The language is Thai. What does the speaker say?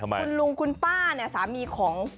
คุณลุงคุณป้าเนี่ยสามีของ